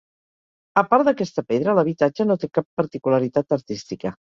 A part d'aquesta pedra, l'habitatge no té cap particularitat artística.